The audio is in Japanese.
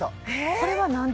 これは何で？